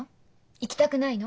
行きたくないの？